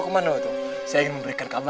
perasaan saya seperti orang saja